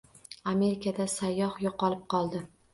Amerikada sayyoh yo‘qolib qoldi